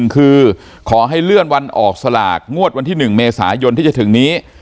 คือขอให้เลื่อนวันออกสลากงวดวันที่๑เมษายนที่จะถึงนี้